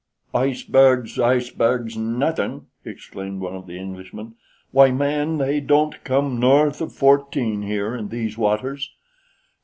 Icebergs! "Icebergs, nothin'!" exclaimed one of the Englishmen. "Why, man, they don't come north of fourteen here in these waters."